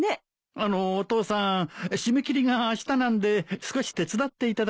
あのうお父さん締め切りがあしたなんで少し手伝っていただけませんか？